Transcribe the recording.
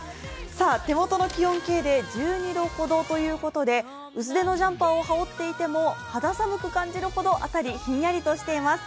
手元の気温計で１２度ほどということで薄手のジャンパーを羽織っていても、肌寒く感じるほど、辺りはひんやりとしています。